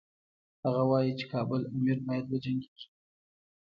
هغه وايي چې کابل امیر باید وجنګیږي.